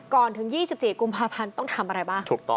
ถึง๒๔กุมภาพันธ์ต้องทำอะไรบ้าง